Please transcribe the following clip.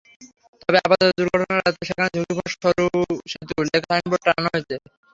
তবে আপাতত দুর্ঘটনা এড়াতে সেখানে ঝুঁকিপূর্ণ সরু সেতু লেখা সাইনবোর্ড টানানো হয়েছে।